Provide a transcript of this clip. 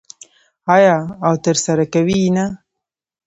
آیا او ترسره کوي یې نه؟